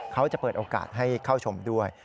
เขาจะเปิดโอกาสให้เข้าชมด้วย